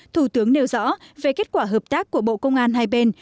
thủ tướng nêu rõ về kết quả hợp tác của bộ công an hai bên